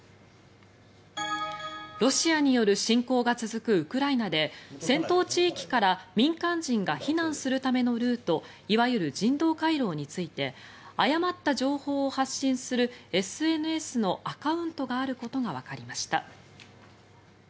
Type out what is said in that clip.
ロシアによる侵攻が続くウクライナで戦闘地域から民間人が避難するためのルートいわゆる人道回廊について誤った情報を発信するＳＮＳのアカウントがあることがわかりました。